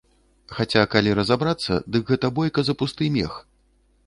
Хаця калі разабрацца, дык гэта бойка за пусты мех.